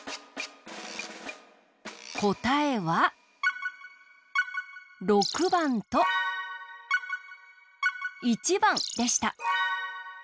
こたえは６ばんと１ばんでした。